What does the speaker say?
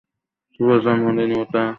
শুভ জন্মদিন, ইউতা।